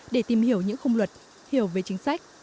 để tìm hiểu những khung luật hiểu về chính sách